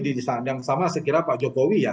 di saat yang sama saya kira pak jokowi ya